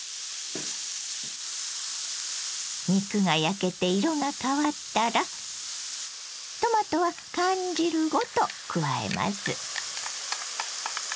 肉が焼けて色が変わったらトマトは缶汁ごと加えます。